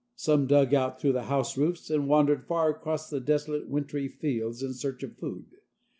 Some dug out through the house roofs, and wandered far across the desolate wintry fields in search of food.